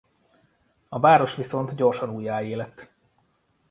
A város viszont gyorsan újjáéledt.